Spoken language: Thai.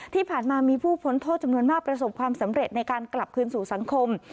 ที่ผ่านมามีผู้พ้นโทษจำนวนมากประสบความสำเร็จในการกลับคืนสู่สังคม